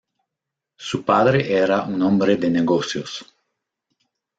Su padre era un hombre de negocios.